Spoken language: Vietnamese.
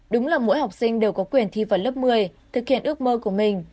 đúng là mỗi học sinh đều có quyền thi vào lớp một mươi thực hiện ước mơ của mình